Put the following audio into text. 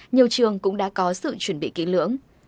nhiều trường cũng đã có sự chuẩn bị kỹ lưỡng